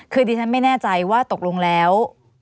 คือดิฉันไม่แน่ใจว่าตกลงแล้ว